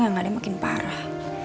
yang ada makin parah